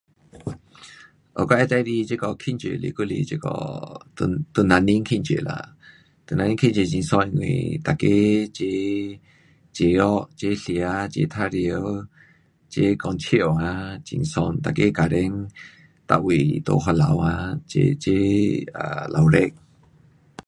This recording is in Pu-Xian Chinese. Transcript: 哦我要最喜欢庆祝还是这个唐，唐人年庆祝啦，唐人年庆祝很爽因为每个齐，齐合，齐吃，齐玩耍，齐讲笑啊，很爽。每个家庭每位都回头啊，齐齐热闹。